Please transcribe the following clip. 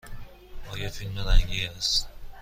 آیا فیلم رنگی است؟